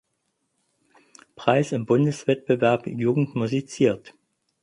Preis im Bundeswettbewerb Jugend musiziert.